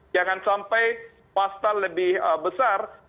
jangan sampai pasta lebih besar